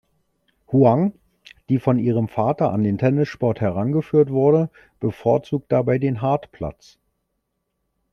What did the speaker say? Chuang, die von ihrem Vater an den Tennissport herangeführt wurde, bevorzugt dabei den Hartplatz.